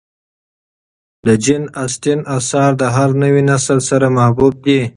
د جین اسټن آثار د هر نوي نسل سره محبوب دي.